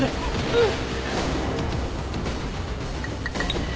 うん。